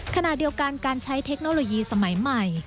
ขณะเดียวกันการใช้เทคโนโลยีสมัยใหม่